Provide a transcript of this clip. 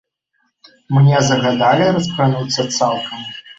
Мне загадалі распрануцца цалкам.